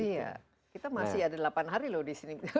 iya kita masih ada delapan hari loh di sini